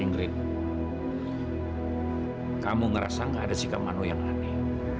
inggris kamu ngerasa gak ada sikap mano yang aneh